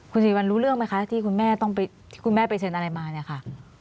คุณสิริวัลรู้เรื่องไหมคะที่คุณแม่ไปเซ็นอะไรมาเนี่ยค่ะ